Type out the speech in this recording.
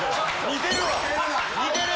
似てる！